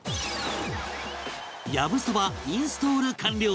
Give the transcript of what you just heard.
「やぶそば」インストール完了